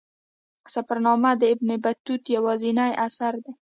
سفرنامه د ابن بطوطه یوازینی اثر دی.